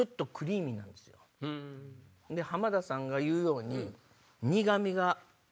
で浜田さんが言うように。